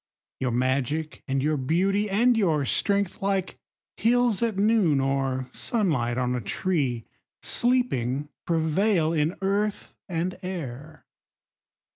... Your magic and your beauty and your strength, Like hills at noon or sunlight on a tree, Sleeping prevail in earth and air.